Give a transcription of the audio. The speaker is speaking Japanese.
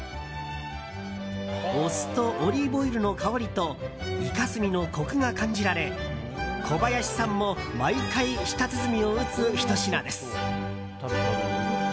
お酢とオリーブオイルの香りとイカ墨のコクが感じられ小林さんも毎回、舌鼓を打つひと品です。